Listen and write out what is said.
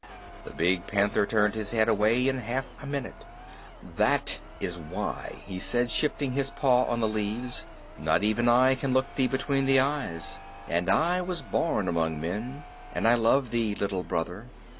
The big panther turned his head away in half a minute. "That is why," he said, shifting his paw on the leaves. "Not even I can look thee between the eyes, and I was born among men, and I love thee, Little Brother.